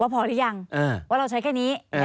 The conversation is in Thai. พอหรือยังว่าเราใช้แค่นี้